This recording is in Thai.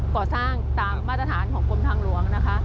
ก่อสร้างตามมาตรฐานของกรมทางหลวงนะคะ